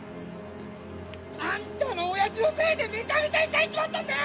あんたの親父のせいでめちゃめちゃにされちまったんだよ！